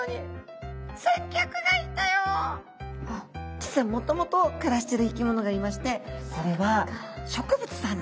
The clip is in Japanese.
実はもともと暮らしている生き物がいましてそれは植物さんなんですね。